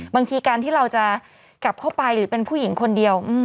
บางทีการที่เราจะกลับเข้าไปหรือเป็นผู้หญิงคนเดียว